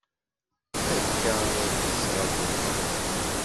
Akka ara k-yettraǧu lxaṭer-iw.